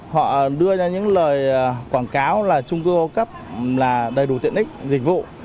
họ đưa ra những lời quảng cáo là trung cư ô cấp là đầy đủ tiện ích dịch vụ